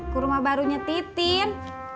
ke rumah barunya titin